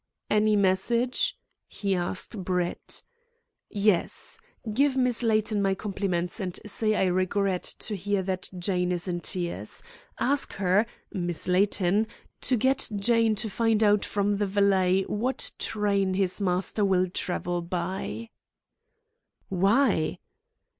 "Any message?" he asked Brett. "Yes. Give Miss Layton my compliments, and say I regret to hear that Jane is in tears. Ask her Miss Layton to get Jane to find out from the valet what train his master will travel by." "Why?"